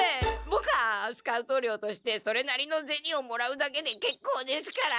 ボクはスカウト料としてそれなりのゼニをもらうだけでけっこうですから！